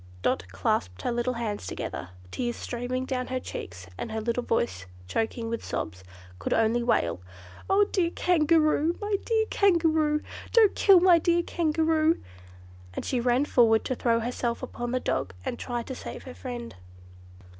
Dot clasped her cold hands together. Tears streamed down her cheeks, and her little voice, choking with sobs, could only wail, "Oh! dear Kangaroo! my dear Kangaroo! Don't kill my dear Kangaroo!" and she ran forward to throw herself upon the dog and try to save her friend.